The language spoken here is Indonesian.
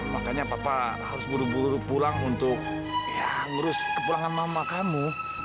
makanya papa harus buru buru pulang untuk ngurus kepulangan mama kamu